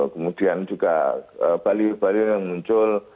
kemudian juga bali bali yang muncul